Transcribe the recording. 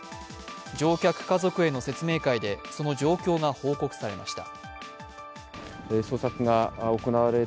乗客家族への説明会でその状況が報告されました。